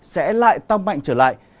sẽ lại tăng mạnh trở lại